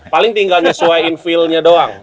paling tinggal nyesuaiin feelnya doang